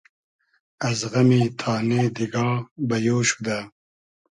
از غئمی تانې دیگا بئیۉ شودۂ